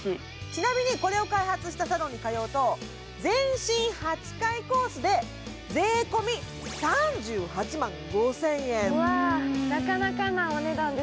ちなみにこれを開発したサロンに通うと全身８回コースで税込み３８万５０００円。